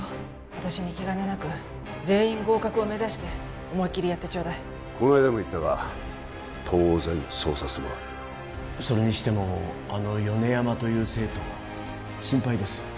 私に気兼ねなく全員合格を目指して思いっきりやってちょうだいこの間も言ったが当然そうさせてもらうそれにしてもあの米山という生徒心配です